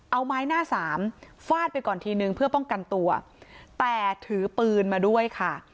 เอาไม้หน้าสามฟาดไปก่อนทีนึงเพื่อป้องกันตัวแต่ถือปืนมาด้วยค่ะ